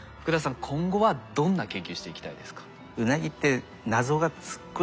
今後はどんな研究していきたいですか？